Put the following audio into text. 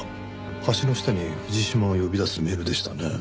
橋の下に藤島を呼び出すメールでしたね。